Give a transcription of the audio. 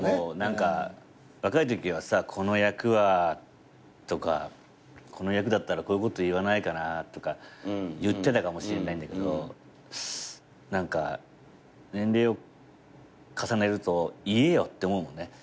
何か若いときは「この役は」とか「この役だったらこういうこと言わないかな」とか言ってたかもしれないんだけど何か年齢を重ねると言えよって思うもんね。